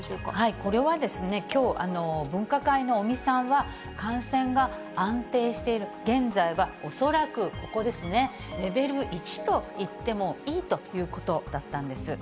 これはきょう、分科会の尾身さんは、感染が安定している現在は、恐らくここですね、レベル１といってもいいということだったんです。